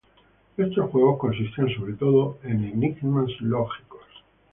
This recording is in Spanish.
Estos juegos consistían sobre todo de enigmas lógicos.